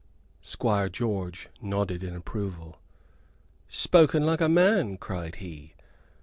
Squire George nodded in approval. "Spoken like a man," cried he.